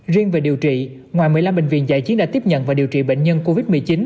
riêng về điều trị ngoài một mươi năm bệnh viện giải chiến đã tiếp nhận và điều trị bệnh nhân covid một mươi chín